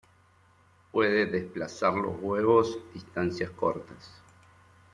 Puede desplazar los huevos distancias cortas.